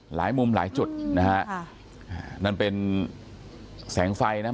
หลายมุมหลายจุดนะฮะค่ะอ่านั่นเป็นแสงไฟนะ